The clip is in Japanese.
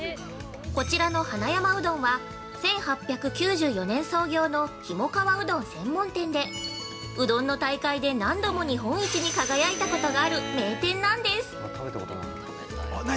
こちらの花山うどんは、ひもかわうどん専門店でうどんの大会で何度も日本一に輝いたことがある名店なんです。